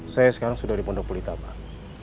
saya sekarang sudah di pondok pulita pak